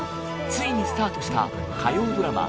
ついにスタートした火曜ドラマ